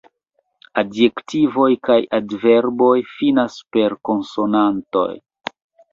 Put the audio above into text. Adjektivoj kaj adverboj finas per konsonantoj.